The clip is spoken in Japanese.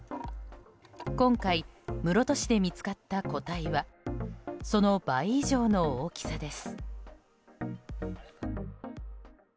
今回、室戸市で見つかった個体はその倍以上の大きさです。